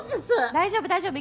大丈夫大丈夫。